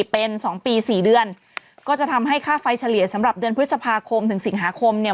เป็นสองปีสี่เดือนก็จะทำให้ค่าไฟเฉลี่ยสำหรับเดือนพฤษภาคมถึงสิงหาคมเนี่ย